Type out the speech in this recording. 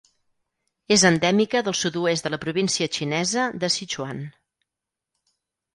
És endèmica del sud-oest de la província xinesa de Sichuan.